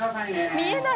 見えない